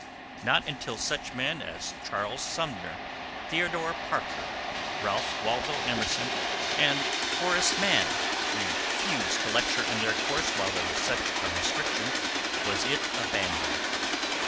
Not until such men as Charles Sumner, Theodore Parker, Ralph Waldo Emerson, and Horace Mann refused to lecture in their course while there was such a restriction, was it abandoned.